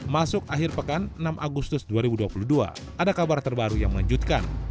masuk akhir pekan enam agustus dua ribu dua puluh dua ada kabar terbaru yang mengejutkan